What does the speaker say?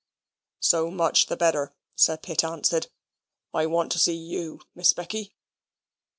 "So much the better," Sir Pitt answered. "I want to see YOU, Miss Becky.